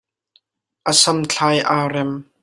A samthlai aa rem.